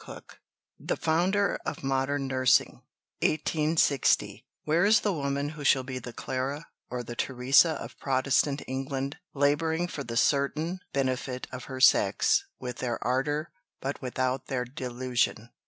CHAPTER III THE FOUNDER OF MODERN NURSING (1860) Where is the woman who shall be the Clara or the Teresa of Protestant England, labouring for the certain benefit of her sex with their ardour, but without their delusion?